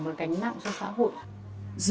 một gánh nặng cho xã hội